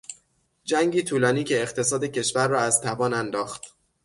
جنگی طولانی که اقتصاد کشور را از توان انداخت